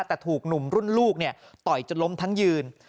แต่ถูกหนุ่มรุ่นลูกต่อยจนล้มทั้งยืน